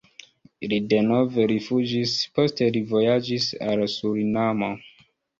Li denove rifuĝis, poste li vojaĝis al Surinamo.